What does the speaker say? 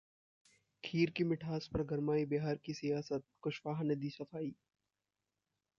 खीर की मिठास पर गरमाई बिहार की सियासत, कुशवाहा ने दी सफाई